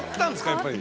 やっぱり。